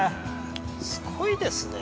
すごいですね。